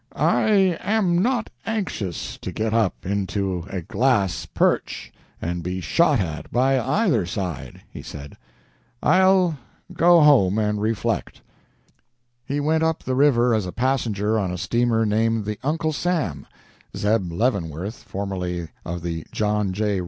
"I am not anxious to get up into a glass perch and be shot at by either side," he said. "I'll go home and reflect." He went up the river as a passenger on a steamer named the "Uncle Sam." Zeb Leavenworth, formerly of the "John J.